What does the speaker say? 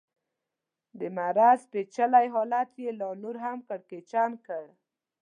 د مرض پېچلی حالت یې لا نور هم کړکېچن کړ.